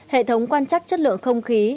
hệ thống quan chắc chất lượng không khí